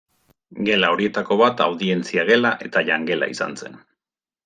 Gela horietako bat audientzia gela eta jangela izan zen.